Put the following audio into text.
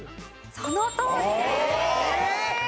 そのとおりです。